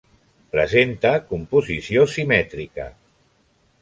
Presenta composició simètrica.